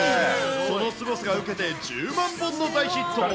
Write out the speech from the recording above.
そのすごさが受けて、１０万本の大ヒット。